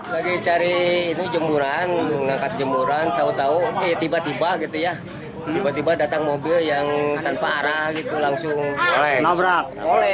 lagi cari jemuran nangkat jemuran tiba tiba datang mobil yang tanpa arah langsung nabrak